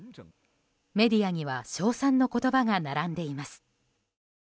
メディアには称賛の言葉が並んでいます。